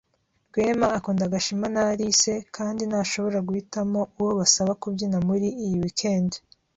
Rwema akunda Gashema na Alice kandi ntashobora guhitamo uwo basaba kubyina muri iyi weekend.